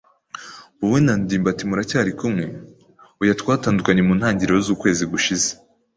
"Wowe na ndimbati muracyari kumwe?" "Oya, twatandukanye mu ntangiriro z'ukwezi gushize."